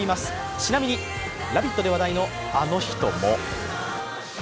ちなみに、「ラヴィット！」で話題のあの人も。